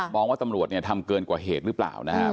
ว่าตำรวจเนี่ยทำเกินกว่าเหตุหรือเปล่านะครับ